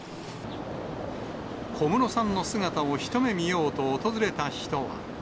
小室さんの姿を一目見ようと訪れた人は。